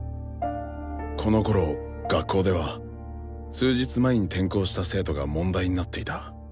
このころ学校では数日前に転校した生徒が問題になっていた。